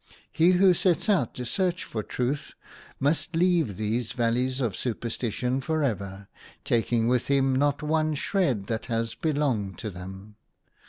He who sets out to search for Truth must leave these val leys of superstition for ever, taking with him not one shred that has belonged to them.